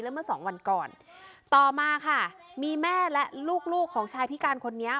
เมื่อสองวันก่อนต่อมาค่ะมีแม่และลูกลูกของชายพิการคนนี้